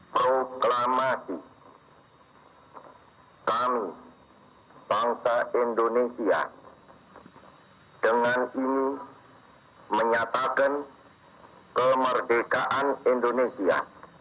proklamasi kami bangsa indonesia dengan ini menyatakan kemerdekaan indonesia